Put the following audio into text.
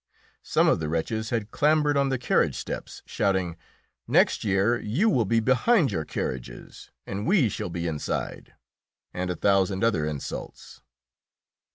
Some of the wretches had clambered on the carriage steps, shouting, "Next year you will be behind your carriages and we shall be inside!" and a thousand other insults.